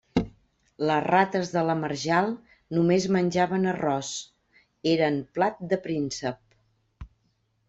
Les rates de la marjal només menjaven arròs; eren plat de príncep.